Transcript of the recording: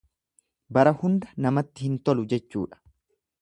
Bara hunda namatti hin tolu jechuudha.